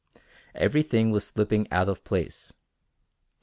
Everything was slipping out of place.